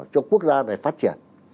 cho quốc gia này phát triển